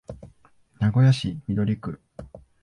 名古屋市緑区